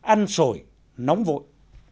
ăn sổi nóng vội